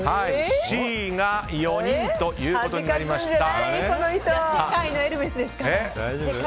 Ｃが４人ということになりました。